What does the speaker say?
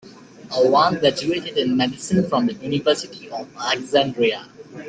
Alwan graduated in Medicine from the University of Alexandria.